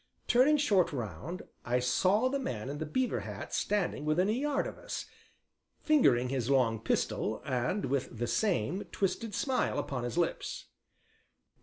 Turning short round, I saw the man in the beaver hat standing within a yard of us, fingering his long pistol and with the same twisted smile upon his lips.